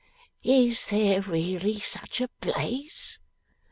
'Is there really such a place?